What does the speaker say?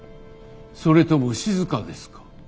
それともしずかですか？